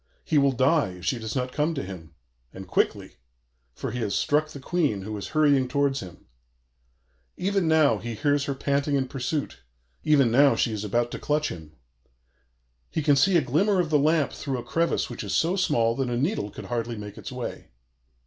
He will die if she does not come to him, and quickly; for he has struck the Queen, who is hurrying towards him. Even now he hears her panting in pursuit; even now she is about to clutch him. He can see a glimmer of the lamp through a crevice which is so small that a needle could hardly make its way.